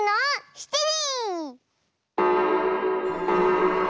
７じ！